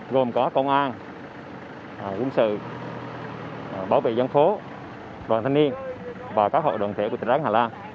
gồm có công an quân sự bảo vệ dân phố đoàn thanh niên và các hội đoàn thể của tỉnh rắn hà lan